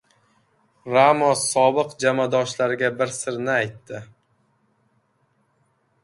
Ramos sobiq jamoadoshlariga bir sirni aytdi